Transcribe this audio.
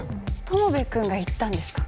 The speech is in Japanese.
友部くんが言ったんですか？